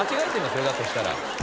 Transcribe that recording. それだとしたら。